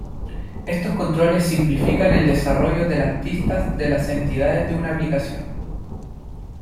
Estos controles simplifican el desarrollo de las vistas de las entidades de una aplicación.